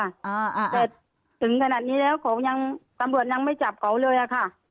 แต่ถึงขนาดนี้แล้วเขายังตำรวจยังไม่จับเขาเลยอะค่ะ